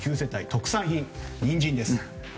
特産品ニンジンです。